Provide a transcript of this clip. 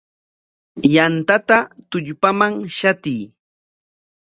Yantata tullpaman shatiy.